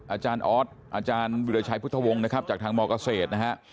อาจารย์ออสอาจารย์วิราชัยพุทธวงศ์นะครับจากทางมเกษตรนะฮะ